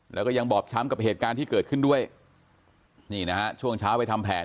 แล้วก็ยังบอบช้ำกับเหตุการณ์ที่เกิดขึ้นด้วยนี่นะฮะช่วงเช้าไปทำแผน